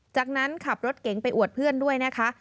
จากนั้นขับรถเก๋งไปอวดเพื่อนด้วยนะคะ